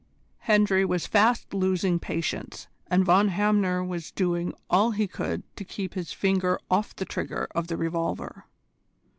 Hendry was fast losing patience, and Von Hamner was doing all he could to keep his finger off the trigger of the revolver.